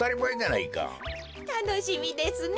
たのしみですね。